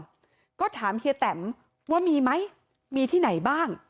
แล้วก็ถามเฮียแตมว่ามีไหมมีที่ไหนบ้าง